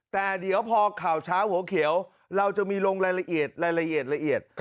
แต่เดี๋ยวพอข่าวช้าหัวเขียวเราจะมีลงลายละเอียด